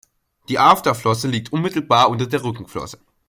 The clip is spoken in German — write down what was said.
Die Afterflosse liegt unmittelbar unter der Rückenflosse.